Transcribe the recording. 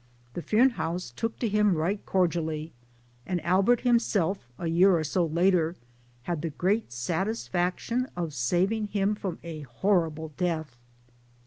The Fearnehoughs took to him right cordially, and Albert himself a year or so later had the great satisfaction of saving him from a horrible death.